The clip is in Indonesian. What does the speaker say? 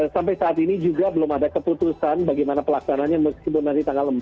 sampai saat ini juga belum ada keputusan bagaimana pelaksananya meskipun nanti tanggal empat